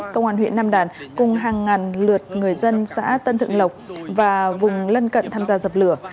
công an huyện nam đàn cùng hàng ngàn lượt người dân xã tân thượng lộc và vùng lân cận tham gia dập lửa